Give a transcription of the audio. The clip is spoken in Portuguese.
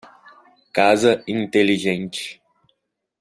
Casa inteligente.